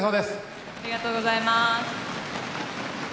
ありがとうございます。